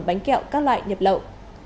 bánh kẹo các loại nhập lậu